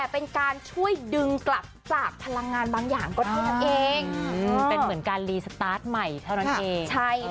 เป็นเหมือนการรีสตาร์ทใหม่เท่านั้นเอง